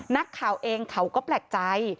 นักข่าวเองเขาก็แปลกใจ